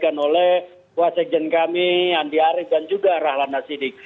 dugaan dugaan yang disampaikan oleh wasakjen kami andi arief dan juga rahlana sidik